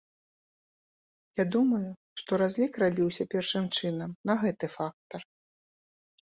Я думаю, што разлік рабіўся першым чынам на гэты фактар.